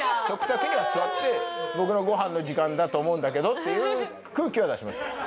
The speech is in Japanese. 食卓には座って僕のごはんの時間だと思うんだけどっていう空気は出しました。